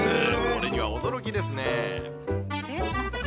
これには驚きですね。